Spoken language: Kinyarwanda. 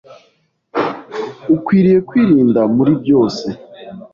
Ukwiriye kwirinda muri byose.